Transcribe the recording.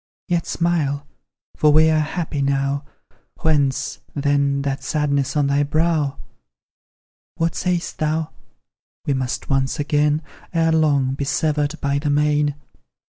Yet smile for we are happy now. Whence, then, that sadness on thy brow? What sayst thou?" We muse once again, Ere long, be severed by the main!"